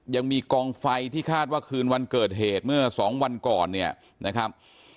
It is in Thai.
ยังมีกองไฟที่คาดว่าคืนวันเกิดเหตุเมื่อสองวันก่อนเนี่ยนะครับ